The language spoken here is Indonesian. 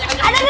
aduh aduh aduh